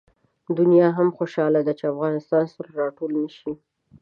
دنیا هم خوشحاله ده چې افغانستان سره راټول نه شي.